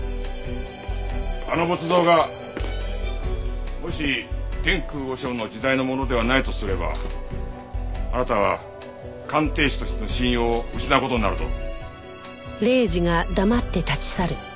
あの仏像がもし天空和尚の時代のものではないとすればあなたは鑑定士としての信用を失う事になるぞ。